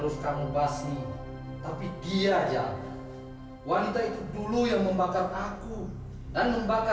sampai jumpa di video selanjutnya